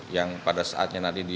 yang pada saatnya nanti